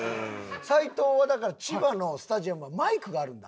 斉藤はだから千葉のスタジアムはマイクがあるんだ？